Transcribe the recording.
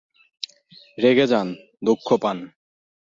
রেগে যান, দুঃখ পান।